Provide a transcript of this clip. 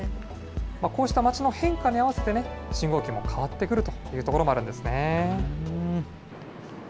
こうした街の変化に合わせて、信号機も変わってくるというところもあるんですね。